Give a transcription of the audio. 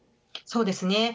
そうですね。